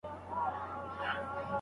زه پرون ټوله ورځ بېدېدلی وم.